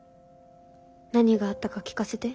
何があったか聞かせて。